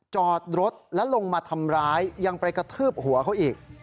จอดรถและลงมาทำร้ายยังไปกระทืบหัวเขาอีก